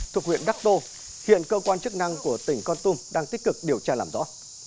thuộc huyện đắc tô hiện cơ quan chức năng của tỉnh con tum đang tích cực điều tra làm rõ